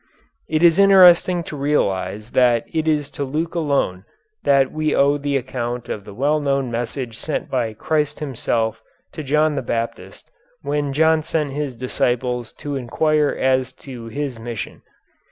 It is interesting to realize that it is to Luke alone that we owe the account of the well known message sent by Christ Himself to John the Baptist when John sent his disciples to inquire as to His mission.